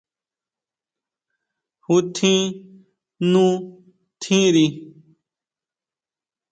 ¿Jútjin nú tjiri?